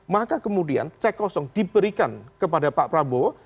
maka kemudian cek kosong diberikan kepada pak prabowo